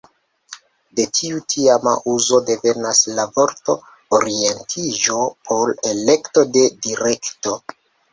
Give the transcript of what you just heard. De tiu tiama uzo devenas la vorto ""orientiĝo"" por ""elekto de direkto"".